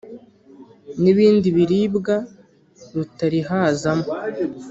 n’ibindi biribwa rutarihazamo